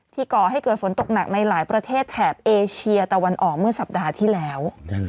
ก่อให้เกิดฝนตกหนักในหลายประเทศแถบเอเชียตะวันออกเมื่อสัปดาห์ที่แล้ว